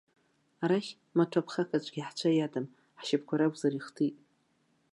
Арахь, маҭәа-ԥхак аӡәгьы ҳцәа иадым, ҳшьапқәа ракәзар ихтит.